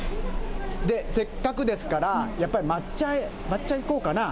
せっかくですから、やっぱり抹茶、抹茶いこうかな。